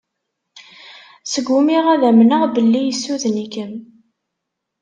Sgumiɣ ad amneɣ belli yessuden-ikem.